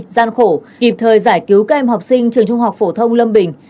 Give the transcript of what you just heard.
gian khổ kịp thời giải cứu các em học sinh trường trung học phổ thông lâm bình